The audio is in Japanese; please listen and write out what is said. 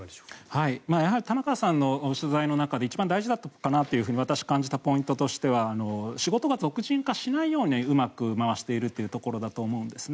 玉川さんの取材の中で一番大事かなと思ったポイントとしては仕事が属人化しないようにうまく回しているというところだと思うんですね。